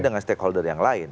dengan stakeholder yang lain